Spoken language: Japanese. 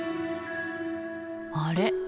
あれ？